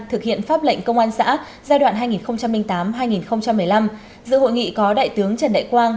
thực hiện pháp lệnh công an xã giai đoạn hai nghìn tám hai nghìn một mươi năm dự hội nghị có đại tướng trần đại quang